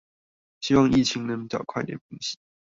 希望疫情能快點平息